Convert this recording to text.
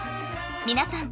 皆さん